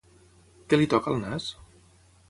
Què li toca el nas?